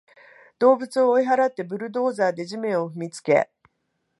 動物を追い払って、ブルドーザーで地面を踏みつけ